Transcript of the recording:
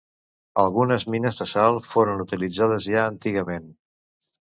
Algunes mines de sal foren utilitzades ja antigament.